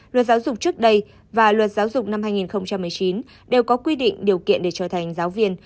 luật giáo dục trước đây và luật giáo dục năm hai nghìn một mươi chín đều có quy định điều kiện để trở thành giáo viên